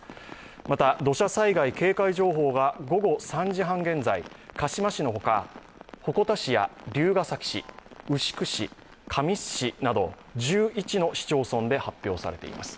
また、土砂災害警戒情報が午後３時半現在、鹿嶋市のほか鉾田市、龍ケ崎市、牛久市、神栖市など、１１の市町村で発表されています。